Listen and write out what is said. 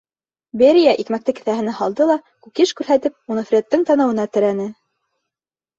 Берия икмәкте кеҫәһенә һалды ла, кукиш күрһәтеп, уны Фредтың танауына терәне: